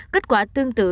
kết quả tương tự